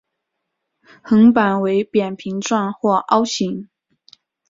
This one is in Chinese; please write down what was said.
横板为扁平状或凹形。